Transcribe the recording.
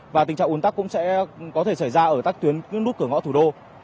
và tình trạng ủn tắc cũng sẽ có thể xảy ra ở các tuyến nút cửa ngõ thủ đô